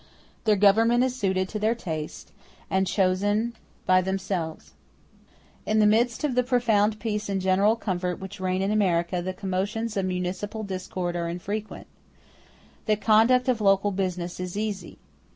Their government is suited to their tastes, and chosen by themselves. In the midst of the profound peace and general comfort which reign in America the commotions of municipal discord are unfrequent. The conduct of local business is easy.